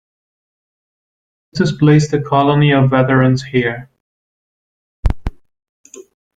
Augustus placed a colony of veterans here.